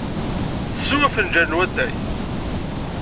Sew afenǧal n watay.